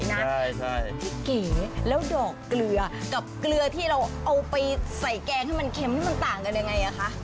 พี่เกลือเนี่ยแล้วดอกเกลือกับเกลือที่เราเอาไปใส่แกงให้มันเค็มมันต่างกันยังไงคะ